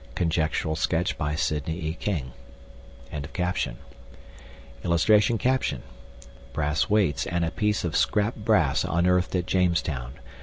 (Conjectural sketch by Sidney E. King.)] [Illustration: BRASS WEIGHTS AND A PIECE OF SCRAP BRASS UNEARTHED AT JAMESTOWN.